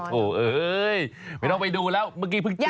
โอ้โหเอ้ยไม่ต้องไปดูแล้วเมื่อกี้เพิ่งเจอ